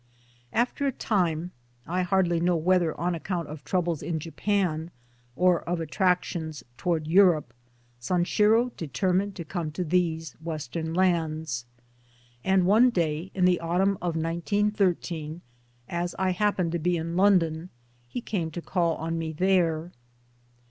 After a time I hardly know whether on account of troubles in Japan or of attractions towards Europe Sanshiro determined to come to these ^Western lands ; and one day in the autumn of 1913, as I happened to be in London, he came to call on me there.